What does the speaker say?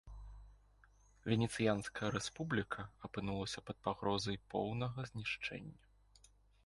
Венецыянская рэспубліка апынулася пад пагрозай поўнага знішчэння.